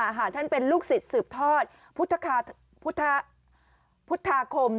ท่านเป็นลูกศิษย์สืบทอดพุทธาคม